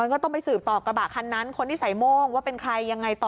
ก็ต้องไปสืบต่อกระบะคันนั้นคนที่ใส่โม่งว่าเป็นใครยังไงต่อ